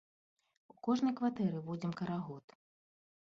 У кожнай кватэры водзім карагод.